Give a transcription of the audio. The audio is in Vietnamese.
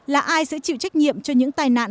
là ai sẽ chịu trách nhiệm cho những tai nạn